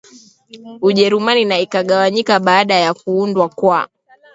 Ujerumani na ikagawanyika baada ya kuundwa kwa